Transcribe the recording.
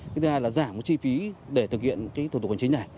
thứ hai là giảm chi phí để thực hiện cái thủ tục hành chính này